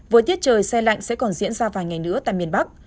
với tiết trời xe lạnh sẽ còn diễn ra vài ngày nữa tại miền bắc